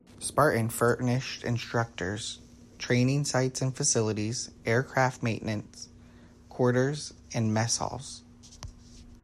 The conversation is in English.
Spartan furnished instructors, training sites and facilities, aircraft maintenance, quarters, and mess halls.